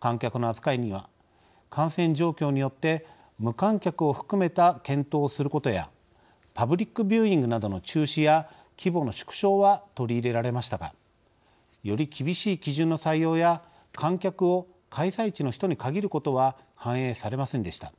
観客の扱いには感染状況によって無観客を含めた検討をすることやパブリックビューイングなどの中止や規模の縮小は取り入れられましたがより厳しい基準の採用や観客を開催地の人に限ることは反映されませんでした。